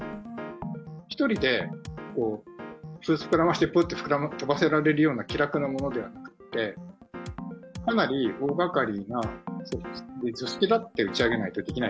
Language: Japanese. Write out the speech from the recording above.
１人で膨らませて、ぽいって飛ばせられるような気楽なものではなくて、かなり大がかりな組織だって打ち上げないとできない。